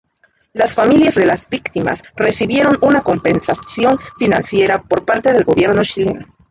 Las familias de las víctimas recibieron una compensación financiera por parte del gobierno chileno.